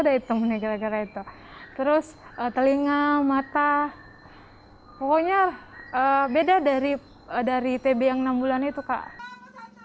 sakit temennya gara gara itu terus telinga mata pokoknya beda dari dari tb yang enam bulan itu kak